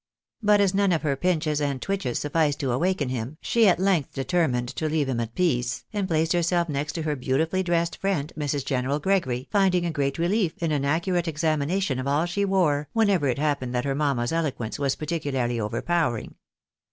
But as none of her pinches and twitches suiSced to awaken him, she at length deter mined to leave him at peace, and placed herself next to her beauti fully dressed friend, Mrs. General Gregory, finding a great relief in an accurate examination of all she wore, whenever it happened that her mamma's eloquence was particularly overpowering.